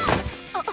あっ！